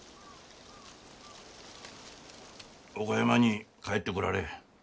岡山に帰ってこられえ。